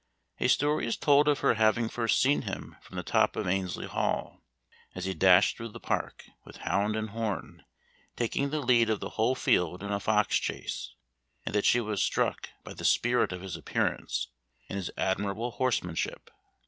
A story is told of her having first seen him from the top of Annesley Hall, as he dashed through the park, with hound and horn, taking the lead of the whole field in a fox chase, and that she was struck by the spirit of his appearance, and his admirable horsemanship.